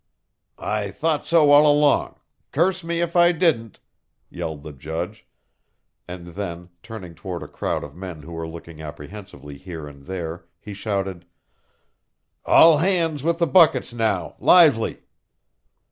"I thought so all along curse me if I didn't!" yelled the judge, and then, turning toward a crowd of men who were looking apprehensively here and there, he shouted: "All hands with the buckets now, lively!"